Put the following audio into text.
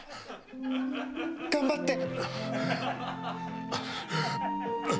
頑張って！